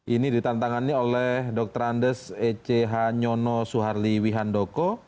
ini ditantangannya oleh dr andes e c hanyono suharli wihan doko